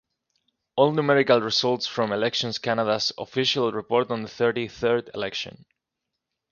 All numerical results from Elections Canada's Official Report on the Thirty-Third Election.